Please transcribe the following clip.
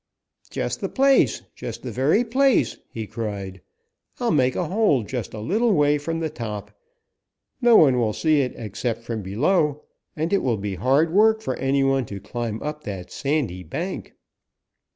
"'Just the place! Just the very place!' he cried. 'I'll make a hole just a little way from the top. No one will see it except from below, and it will be hard work for any one to climb up that sandy bank.'